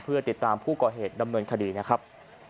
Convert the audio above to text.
เพื่อติดตามผู้ก่อเหตุดำเนินคดีนะครับ